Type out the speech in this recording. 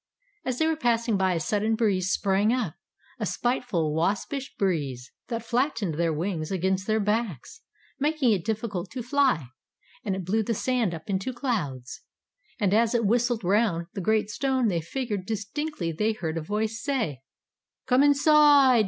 As they were passing by a sudden breeze sprang up a spiteful, waspish breeze that flattened their wings against their backs, making it difficult to fly; and it blew the sand up into clouds. And as it whistled round the great stone figure they distinctly heard a voice say: "Come inside!